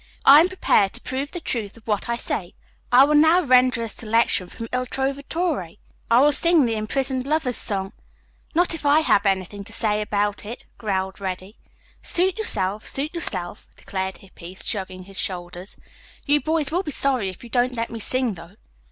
"I am prepared to prove the truth of what I say. I will now render a selection from 'Il Trovatore.' I will sing the imprisoned lover's song " "Not if I have anything to say about it," growled Reddy. "Suit yourself, suit yourself," declared Hippy, shrugging his shoulders. "You boys will be sorry if you don't let me sing, though."